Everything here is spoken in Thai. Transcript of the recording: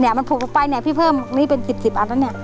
แล้วแผ่นพูดพูดไปให้พี่เพิ่มอันนี้เป็นสิบอันครับ